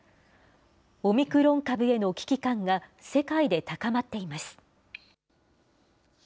オミクロン株への危機感が、世界で高まっています。